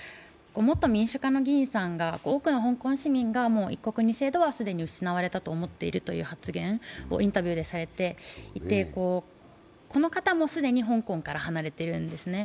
元民主化の議員さんが、多くの国民が一国二制度は既に失われたと思っていると発言をインタビューでされていて、この方も既に香港から離れているんですね。